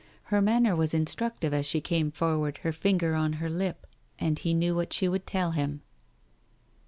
Her manner was instruc tive as she came forward, her finger on her lip, and he knew what she would tell him.